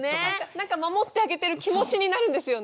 なんか守ってあげてる気持ちになるんですよね。